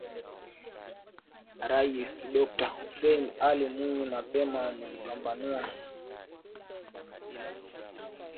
Rais Dokta Hussein Ali Mwinyi mapema amejipambanua